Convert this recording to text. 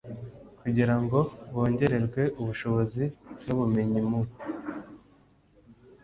kugira ngo bongererwe ubushobozi n ubumenyi mu